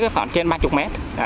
khoảng trên ba mươi mét